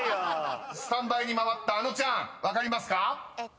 ［スタンバイに回ったあのちゃん分かりますか？］